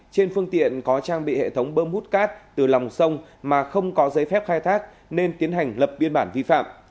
trên phương tiện có trang bị hệ thống bơm hút cát từ lòng sông mà không có giấy phép khai thác nên tiến hành lập biên bản vi phạm